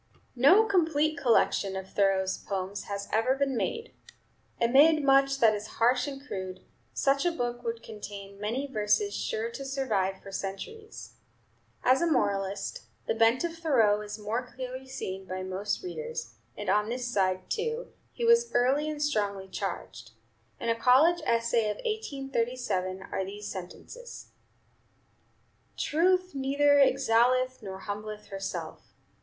No complete collection of Thoreau's poems has ever been made. Amid much that is harsh and crude, such a book would contain many verses sure to survive for centuries. As a moralist, the bent of Thoreau is more clearly seen by most readers; and on this side, too, he was early and strongly charged. In a college essay of 1837 are these sentences: "Truth neither exalteth nor humbleth herself.